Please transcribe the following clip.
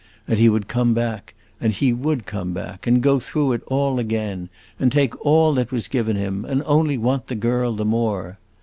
And he would come back, and he would come back, and go through it all again, and take all that was given him, and only want the girl the more!